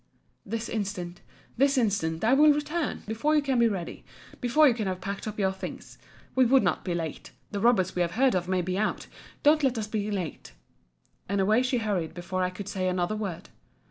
This instant, this instant, I will return—before you can be ready—before you can have packed up your things—we would not be late—the robbers we have heard of may be out—don't let us be late. And away she hurried before I could say another word.